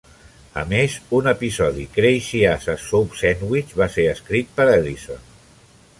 A més, un episodi, "Crazy as a Soup Sandwich", va ser escrit per Ellison.